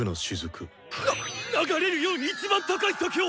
なっ流れるように一番高い酒を！